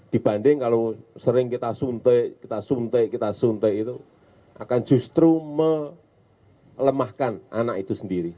dibanding kalau sering kita suntik kita suntik kita suntik itu akan justru melemahkan anak itu sendiri